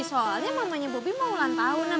soalnya mamanya bobi mau ulang tahun